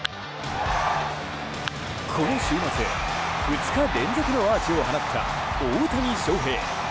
この週末、２日連続のアーチを放った大谷翔平。